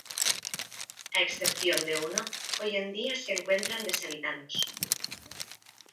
A excepción de uno, hoy en día se encuentran deshabitados.